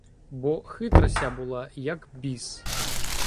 Бо хитра ся була, як біс.